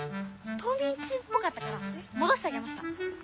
冬みん中っぽかったからもどしてあげました。